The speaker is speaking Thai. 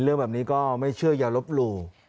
เรื่องแบบนี้ก็ไม่เชื่ออย่าลบหลู่